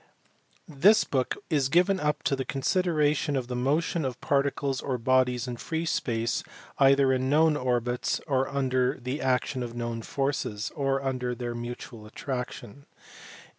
This book is given up to the consideration of the motion of particles or bodies in free space either in known orbits, or under the action of known forces, or under their mutual attraction.